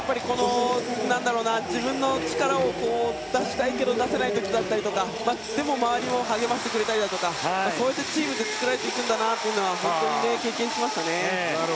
自分の力を出したいけど出せない時だったりとかでも周りも励ましてくれたりだとかそうやってチームって作られていくんだなとは本当に経験しましたね。